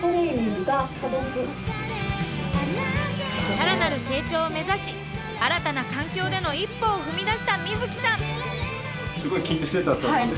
さらなる成長を目指し新たな環境での一歩を踏み出した瑞樹さん。